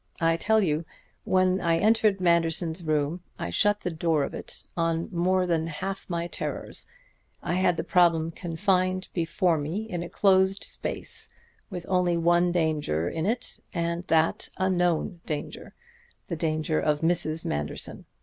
I tell you, when I entered Manderson's room I shut the door of it on more than half my terrors. I had the problem confined before me in a closed space, with only one danger in it, and that a known danger: the danger of Mrs. Manderson.